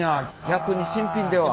逆に新品では。